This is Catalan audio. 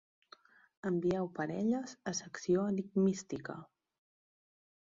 Envieu parelles a Secció Enigmística.